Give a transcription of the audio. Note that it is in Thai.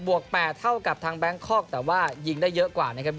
วก๘เท่ากับทางแบงคอกแต่ว่ายิงได้เยอะกว่านะครับ